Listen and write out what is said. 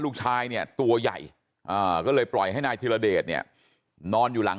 ลูกชายเนี่ยตัวใหญ่ก็เลยปล่อยให้นายธิรเดชเนี่ยนอนอยู่หลัง